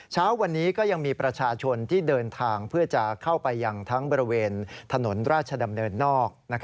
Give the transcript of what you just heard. เช้าวันนี้ก็ยังมีประชาชนที่เดินทางเพื่อจะเข้าไปยังทั้งบริเวณถนนราชดำเนินนอก